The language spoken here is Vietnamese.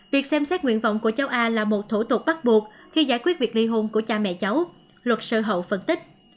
việc xem xét nguyện vọng của cháu a là một thủ tục bắt buộc khi giải quyết việc ly hôn của cha mẹ cháu luật sơ hậu phân tích